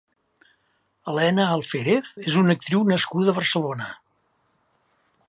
Elena Alférez és una actriu nascuda a Barcelona.